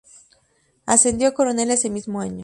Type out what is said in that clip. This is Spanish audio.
Ascendió a coronel ese mismo año.